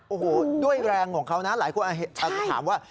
โอ้โหด้วยแรงของเขานะหลายคนอาจจะถามว่า